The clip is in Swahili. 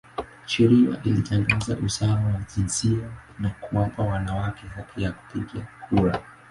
Sheria ilitangaza usawa wa jinsia na kuwapa wanawake haki ya kupiga kura.